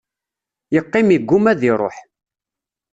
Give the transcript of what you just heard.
Yeqqim igumma ad iruḥ.